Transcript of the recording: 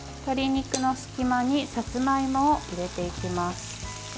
鶏肉の隙間にさつまいもを入れていきます。